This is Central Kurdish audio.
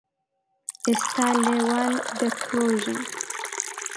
ئێستا لێوان دەکرۆژن